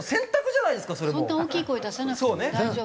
そんな大きい声出さなくても大丈夫よ。